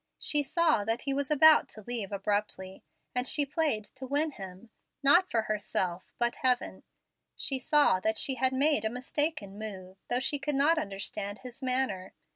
She saw that he was about to leave abruptly. As she played to win him, not for herself, but heaven, she saw that she had made a mistaken move, though she could not understand his manner.